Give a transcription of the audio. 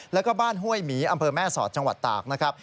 แล้วก็บ้านห้วยหมีอำเภอแม่สอดจังหวัดตากนะครับ